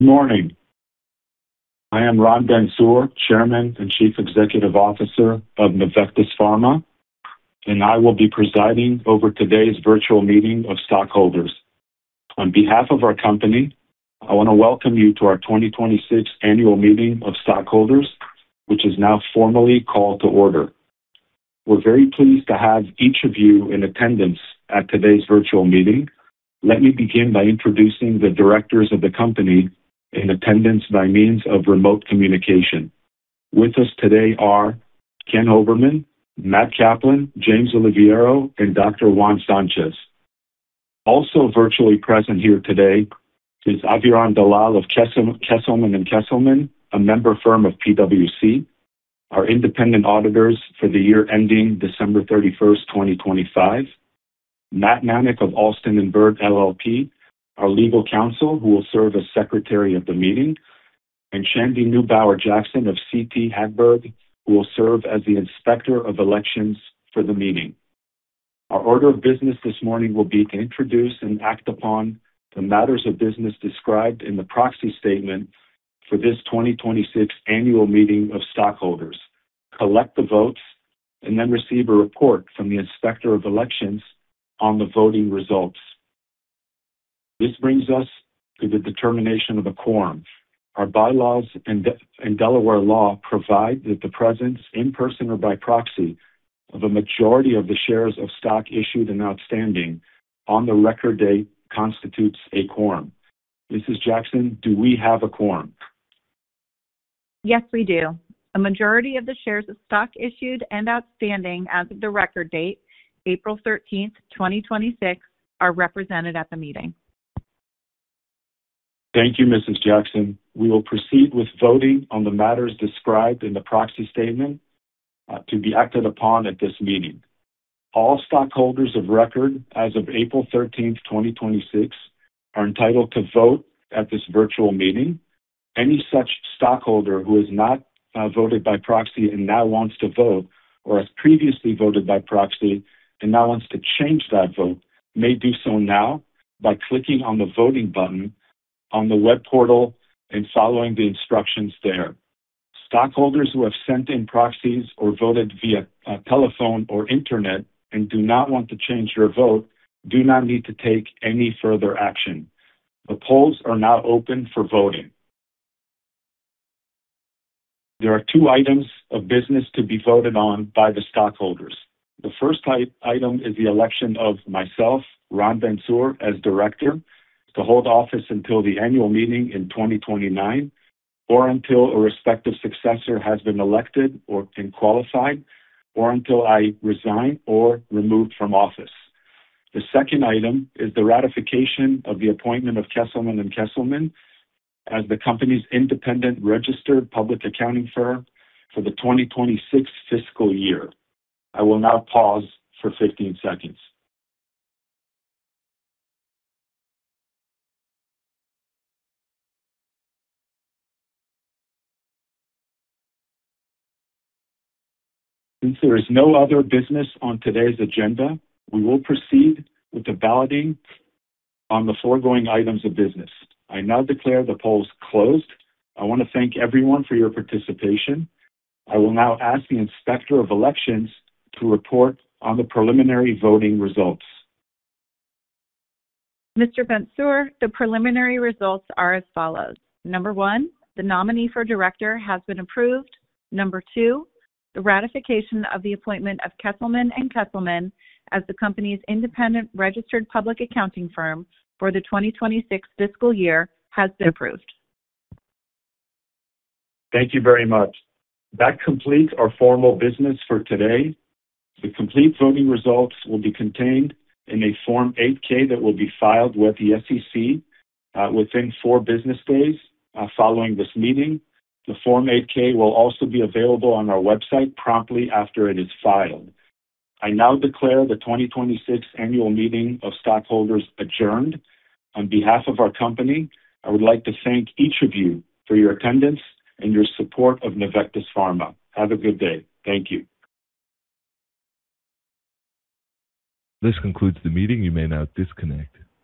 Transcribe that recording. Good morning. I am Ron Bentsur, Chairman and Chief Executive Officer of Nuvectis Pharma, and I will be presiding over today's virtual meeting of stockholders. On behalf of our company, I want to welcome you to our 2026 annual meeting of stockholders, which is now formally called to order. We're very pleased to have each of you in attendance at today's virtual meeting. Let me begin by introducing the directors of the company in attendance by means of remote communication. With us today are Ken Hoberman, Matt Kaplan, James Oliviero, and Dr. Juan Sanchez. Also virtually present here today is Abhiram Dalal of Kesselman & Kesselman, a member firm of PwC, our independent auditors for the year ending December 31st, 2025. Matt Mamak of Alston & Bird LLP, our legal counsel, who will serve as secretary of the meeting, and Chandi Neubauer-Jackson of CT Hagberg, who will serve as the inspector of elections for the meeting. Our order of business this morning will be to introduce and act upon the matters of business described in the proxy statement for this 2026 annual meeting of stockholders, collect the votes, and then receive a report from the inspector of elections on the voting results. This brings us to the determination of a quorum. Our bylaws and Delaware law provide that the presence, in person or by proxy, of a majority of the shares of stock issued and outstanding on the record date constitutes a quorum. Mrs. Jackson, do we have a quorum? Yes, we do. A majority of the shares of stock issued and outstanding as of the record date, April 13th, 2026, are represented at the meeting. Thank you, Mrs. Jackson. We will proceed with voting on the matters described in the proxy statement to be acted upon at this meeting. All stockholders of record as of April 13th, 2026, are entitled to vote at this virtual meeting. Any such stockholder who has not voted by proxy and now wants to vote, or has previously voted by proxy and now wants to change that vote may do so now by clicking on the voting button on the web portal and following the instructions there. Stockholders who have sent in proxies or voted via telephone or internet and do not want to change their vote do not need to take any further action. The polls are now open for voting. There are two items of business to be voted on by the stockholders. The first item is the election of myself, Ron Bentsur, as director, to hold office until the annual meeting in 2029, or until a respective successor has been elected and qualified, or until I resign or removed from office. The second item is the ratification of the appointment of Kesselman & Kesselman as the company's independent registered public accounting firm for the 2026 fiscal year. I will now pause for 15 seconds. There is no other business on today's agenda, we will proceed with the balloting on the foregoing items of business. I now declare the polls closed. I want to thank everyone for your participation. I will now ask the inspector of elections to report on the preliminary voting results. Mr. Bentsur, the preliminary results are as follows. Number one, the nominee for director has been approved. Number two, the ratification of the appointment of Kesselman & Kesselman as the company's independent registered public accounting firm for the 2026 fiscal year has been approved. Thank you very much. That completes our formal business for today. The complete voting results will be contained in a Form 8-K that will be filed with the SEC within four business days following this meeting. The Form 8-K will also be available on our website promptly after it is filed. I now declare the 2026 annual meeting of stockholders adjourned. On behalf of our company, I would like to thank each of you for your attendance and your support of Nuvectis Pharma. Have a good day. Thank you. This concludes the meeting. You may now disconnect.